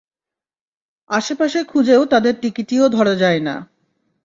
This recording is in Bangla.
আশে-পাশে খুঁজেও তাদের টিকিটিও ধরা যায় না।